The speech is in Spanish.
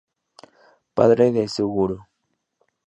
Padre de Suguru